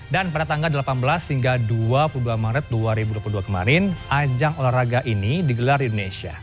dan pada tanggal delapan belas hingga dua puluh dua maret dua ribu dua puluh dua kemarin ajang olahraga ini digelar di indonesia